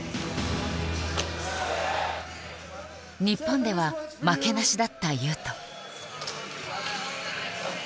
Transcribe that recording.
日本では負けなしだった雄斗。